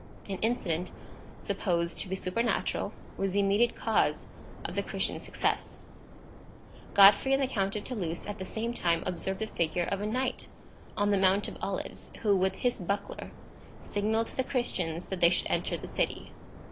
An incident, supposed to be supernatural, was the immediate cause of the Christians' success. Godfrey and the Count of Toulouse at the same time observed the figure of a knight on the Mount of Olives, who with his buckler signalled to the Christians that they should enter the city.